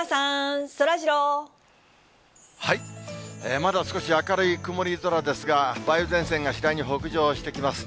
まだ少し明るい曇り空ですが、梅雨前線が次第に北上してきます。